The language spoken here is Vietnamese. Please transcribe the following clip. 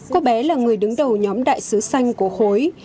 cô bé là người đứng đầu nhóm đại sứ xanh của khối